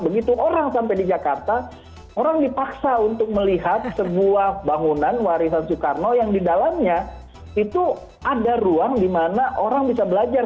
begitu orang sampai di jakarta orang dipaksa untuk melihat sebuah bangunan warisan soekarno yang di dalamnya itu ada ruang di mana orang bisa belajar